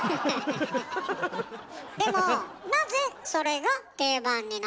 でもなぜそれが定番になったの？